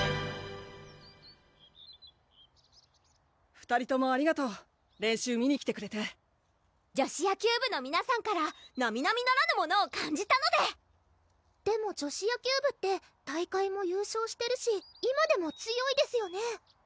２人ともありがとう練習見に来てくれて女子野球部の皆さんからなみなみならぬものを感じたのででも女子野球部って大会も優勝してるし今でも強いですよね？